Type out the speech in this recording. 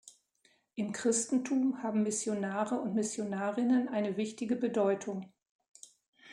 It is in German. Im Christentum haben Missionare und Missionarinnen eine wichtige Bedeutung.